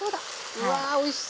うわおいしそう！